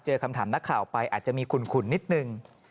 คำถามนักข่าวไปอาจจะมีขุนนิดนึง